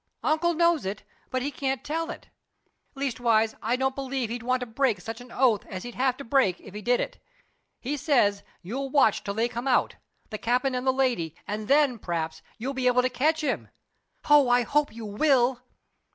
Uncle knows it, but he can't tell it. Leastwise I don't believe he'd want to break such an oath as he'd have to break if he did it. He says you'll watch till they come out the cap'n and the lady and then, p'raps, you'll be able to catch him. Oh, I hope you will!"